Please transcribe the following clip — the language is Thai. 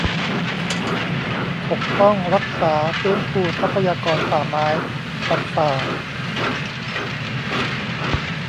ปกป้อง รักษา ฟื้นฟูทรัพยากรป่าไม้ สัตว์ป่า